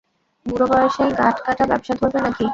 বুড়োবয়সে গাঁটকাটা ব্যাবসা ধরবে না কি?